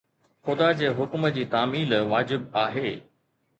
خدا جي حڪم جي تعميل واجب آهي